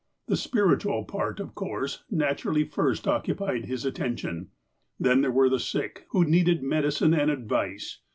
The spiritual part, of course, naturally first occupied his at tention. Then there were the sick, who needed medicine and advice.